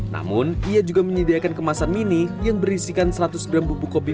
namun ia juga menyediakan kemasan mini yang berisikan seratus gram bubuk kopi